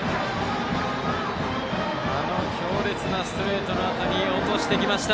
強烈なストレートのあとに落としてきました。